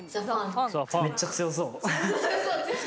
めっちゃ強そう。